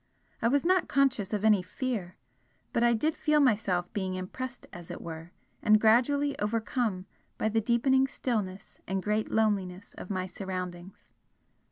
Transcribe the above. I was not conscious of any fear, but I did feel myself being impressed as it were and gradually overcome by the deepening stillness and great loneliness of my surroundings.